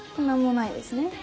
なんもないですね。